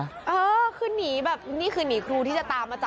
เออคือหนีแบบนี่คือหนีครูที่จะตามมาจับ